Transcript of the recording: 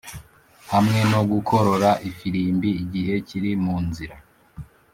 hamwe no gukorora ifirimbi, igihe kiri munzira